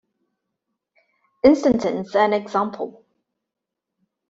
Instantons are an example.